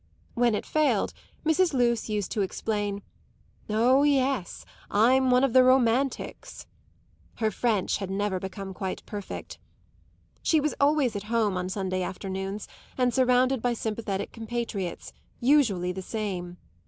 When it failed, Mrs. Luce used to explain "Oh yes, I'm one of the romantics;" her French had never become quite perfect. She was always at home on Sunday afternoons and surrounded by sympathetic compatriots, usually the same.